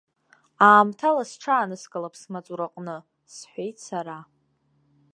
Аамҭала сҽааныскылап смаҵураҟны, сҳәеит сара.